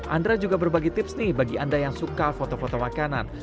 andra juga berbagi tips nih bagi anda yang suka foto foto makanan